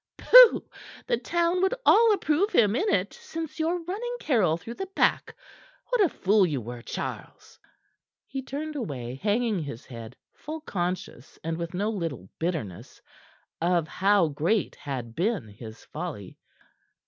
"Pooh! The town would all approve him in it since your running Caryll through the back. What a fool you were, Charles." He turned away, hanging his head, full conscious, and with no little bitterness, of how great had been his folly.